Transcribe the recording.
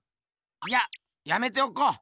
いややめておこう。